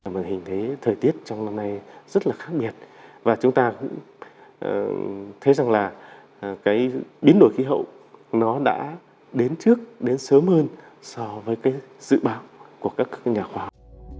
màn hình thấy thời tiết trong năm nay rất là khác biệt và chúng ta cũng thấy rằng là cái biến đổi khí hậu nó đã đến trước đến sớm hơn so với cái dự báo của các nhà khoa học